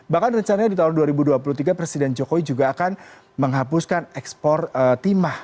bahkan rencana di tahun dua ribu dua puluh tiga presiden jokowi juga akan menghapuskan ekspor timah